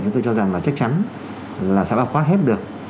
chúng tôi cho rằng là chắc chắn là sẽ bảo khóa hết được